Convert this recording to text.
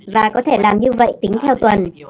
và có thể làm như vậy tính theo tuần